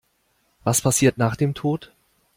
Was passiert nach dem Tod?